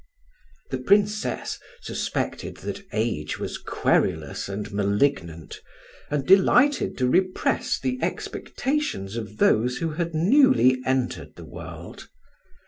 The Princess suspected that age was querulous and malignant, and delighted to repress the expectations of those who had newly entered the world.